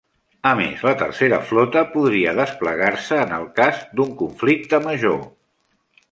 A més, la Tercera Flota podria desplegar-se en el cas d'un conflicte major.